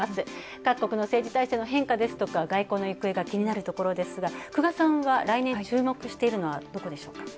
各国の政治体制の変化ですとか、外交の行方が気になるところですが、来年注目しているのはどこでしょうか？